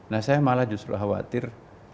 nah saya malah justru khawatir